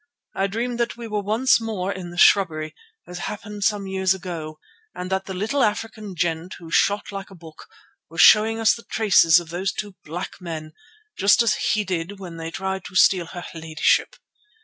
I dreamed that we were once more in the shrubbery, as happened some years ago, and that the little African gent who shot like a book, was showing us the traces of those two black men, just as he did when they tried to steal her ladyship.